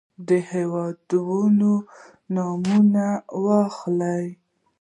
د هېوادونو نومونه يې واخلئ.